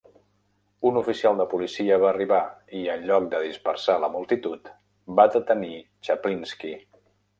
Un oficial de policia va arribar i, en lloc de dispersar la multitud, va detenir Chaplinsky.